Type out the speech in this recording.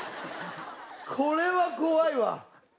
これは怖いわ。